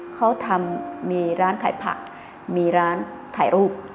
เขาทำมีร้านขายผักมีร้านถ่ายรูป